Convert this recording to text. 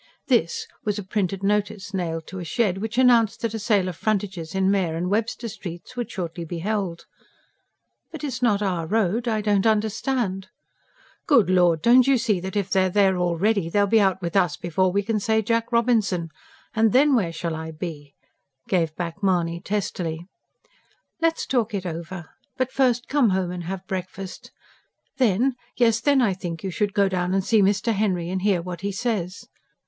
"This" was a printed notice, nailed to a shed, which announced that a sale of frontages in Mair and Webster Streets would shortly be held. "But it's not our road. I don't understand." "Good Lord, don't you see that if they're there already, they'll be out with us before we can say Jack Robinson? And then where shall I be?" gave back Mahony testily. "Let us talk it over. But first come home and have breakfast. Then ... yes, then, I think you should go down and see Mr. Henry, and hear what he says."